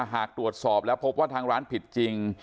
หากตรวจสอบแล้วพบว่าทางร้านผิดจริง